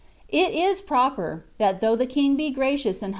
It is proper^ that though the King be gracious and